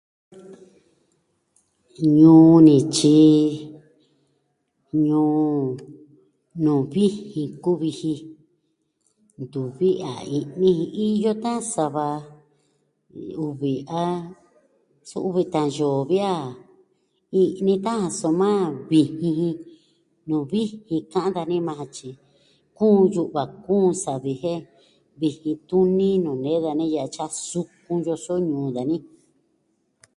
Ñuu ni tyi, ñuu nu vijin kuvi ji. ntuvi a i'ni jin, iyo tan sava uvi a... suu vitan yoo vi a i'ni tan, soma vijin jin. Nuu vijin ka'an dani majan, tyi kuun yu'va, kuun savi jen vijin tuni nuu nee dani ya'a. Tyi a, suu kuun yoso ñuu dani.